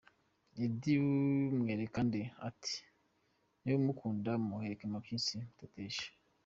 Eddy Mwerekande ati niba umukunda muheke mabyisi, muteteshe,.